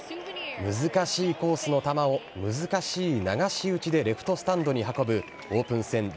難しいコースの球を難しい流し打ちでレフトスタンドに運ぶオープン戦